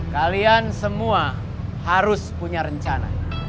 kalian semua harus punya rencana